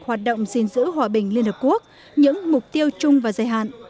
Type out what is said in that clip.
hoạt động gìn giữ hòa bình liên hợp quốc những mục tiêu chung và dài hạn